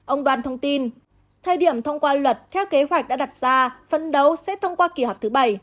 ông đoan thông tin thời điểm thông qua luật theo kế hoạch đã đặt ra phân đấu sẽ thông qua kỳ họp thứ bảy